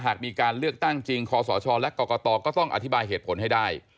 หากมีการเลือกตั้งจริงคอสชและกรกตก็ต้องอธิบายเหตุผลให้ได้